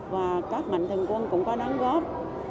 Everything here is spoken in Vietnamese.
và các mạnh thân quân cũng có đáng góp